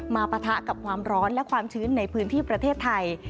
ปะทะกับความร้อนและความชื้นในพื้นที่ประเทศไทย